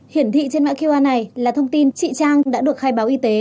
hiển thị trên mã qr này là thông tin chị trang đã được khai báo y tế